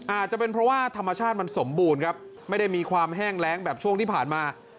อาจจะเป็นเพราะว่าธรรมชาติมันสมบูรณ์ครับไม่ได้มีความแห้งแรงแบบช่วงที่ผ่านมา